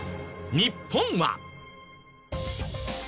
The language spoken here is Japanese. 日本は？